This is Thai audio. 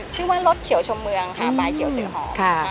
ชื่อว่ารถเขียวชมเมืองค่ะปลายเขียวเสียหอม